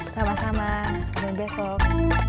sama sama sampai besok